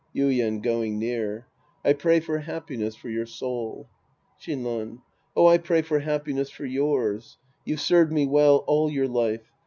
Yuien {going near). I pray for happiness for your soul. Shinran. Oh, I pray for happiness for yours. You've served me well all your life.